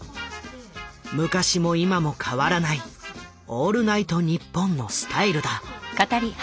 昔も今も変わらない「オールナイトニッポン」のスタイルだ。